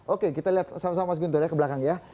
oke kita lihat sama sama mas guntur ya ke belakang ya